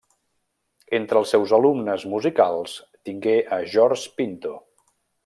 Entre els seus alumnes musicals tingué a George Pinto.